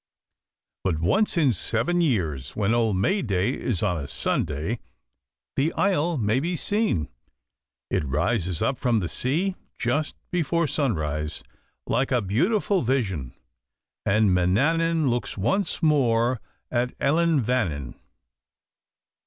But once in seven years, when Old May Day is on a Sunday, the isle may be seen. It rises up from the sea just before sunrise, like a beautiful vision, and Manannan looks once more at Ellan Vannin.